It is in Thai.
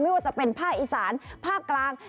ไม่ว่าจะเป็นภาคอีสานภาคกลาง